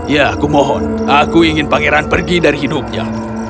ya aku mohon aku ingin pangeran pergi dari hidupnya